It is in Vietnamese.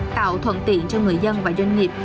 tạo thuận tiện cho người dân và doanh nghiệp